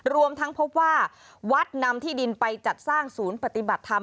รวมทั้งพบว่าวัดนำที่ดินไปจัดสร้างศูนย์ปฏิบัติธรรม